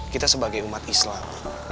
kita sebagai umat islam